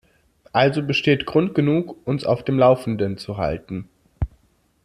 Also besteht Grund genug, uns auf dem laufenden zu halten.